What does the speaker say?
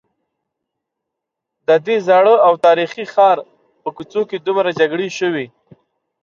ددې زاړه او تاریخي ښار په کوڅو کې دومره جګړې شوي.